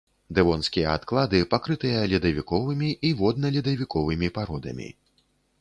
Дэвонскія адклады пакрытыя ледавіковымі і водна-ледавіковымі пародамі.